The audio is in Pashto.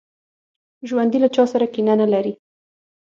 ژوندي له چا سره کینه نه لري